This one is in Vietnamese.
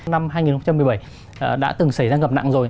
năm hai nghìn một mươi bảy đã từng xảy ra ngập nặng rồi